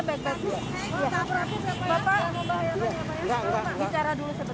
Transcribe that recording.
bapak bicara dulu sebentar